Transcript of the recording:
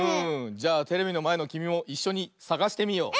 じゃあテレビのまえのきみもいっしょにさがしてみよう！